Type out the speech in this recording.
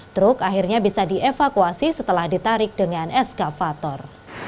truk akhirnya bisa dievakuasi setelah ditarik dengan eskavator